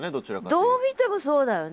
どう見てもそうだよね。